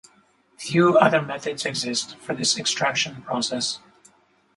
Few other methods exist for this extraction process.